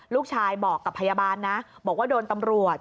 ลูกชายบอกกับพยาบาลนะบอกว่าโดนตำรวจ